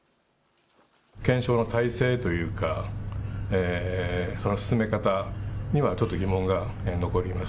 検査の体制というかその進め方にはちょっと疑問が残ります。